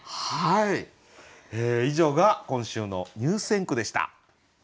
以上が今週の入選句でした。